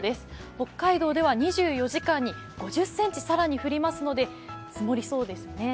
北海道では２４時間に５０ｃｍ更に降りますので積もりそうですね。